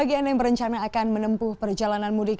aplikasi ini telah kami siapkan untuk kenyamanan anda dalam bermudik